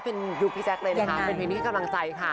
เป็นยูพี่แจ๊กเลยนะครับเป็นเพลงที่กำลังใจค่ะ